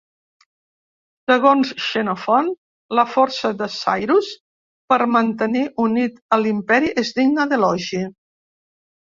Segons Xenofont, la força de Cyrus per mantenir unit a l'imperi és digna d'elogi.